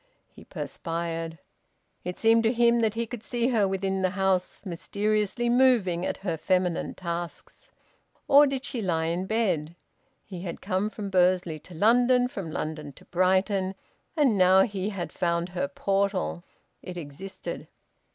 He perspired. It seemed to him that he could see her within the house, mysteriously moving at her feminine tasks. Or did she lie in bed? He had come from Bursley to London, from London to Brighton, and now he had found her portal; it existed.